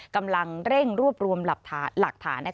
กำลังเร่งรวบรวมหลักฐาน